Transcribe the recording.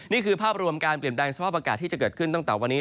นี่คือภาพรวมการเปลี่ยนแปลงสภาพอากาศที่จะเกิดขึ้นตั้งแต่วันนี้